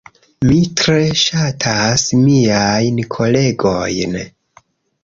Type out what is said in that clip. Mi tre ŝatas miajn kolegojn